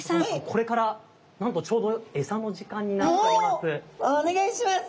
これからなんとちょうどエサの時間になっております。